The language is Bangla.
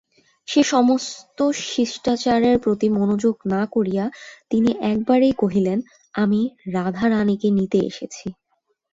সে-সমস্ত শিষ্টাচারের প্রতি মনোযোগ না করিয়া তিনি একেবারেই কহিলেন, আমি রাধারানীকে নিতে এসেছি।